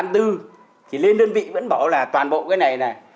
thì lên đơn vị vẫn bảo là toàn bộ cái này là